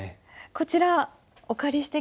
こちらお借りしてきました。